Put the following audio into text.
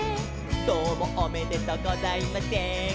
「どうもおめでとうございません」